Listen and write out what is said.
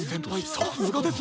さすがです！